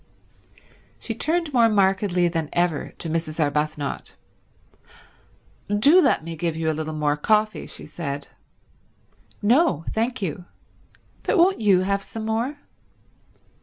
She turned more markedly than ever to Mrs. Arbuthnot. "Do let me give you a little more coffee," she said. "No, thank you. But won't you have some more?"